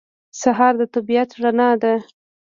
سهار د طبیعت رڼا ده.